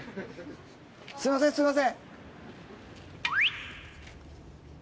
すいませんすいません！